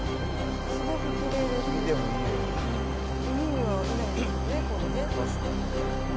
すごくきれいですね。